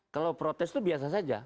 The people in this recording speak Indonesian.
kalau protes itu biasa saja